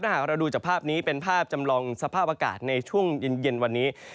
ถ้าหากเราดูจากภาพนี้เป็นภาพจำลองสภาพอากาศในช่วงเย็นวันนี้